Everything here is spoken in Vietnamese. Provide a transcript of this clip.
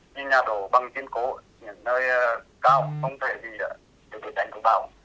như nhà đổ bằng tiên cố những nơi cao không thể bị đổ đánh của bão